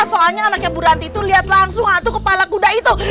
soalnya anaknya bu ranti itu lihat langsung aduh kepala kuda itu